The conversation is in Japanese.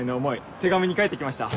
手紙に書いて来ました。